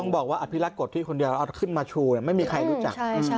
ต้องบอกว่าอภิรัติกฎที่คนเดียวเราเอาขึ้นมาชูเนี่ยไม่มีใครรู้จัก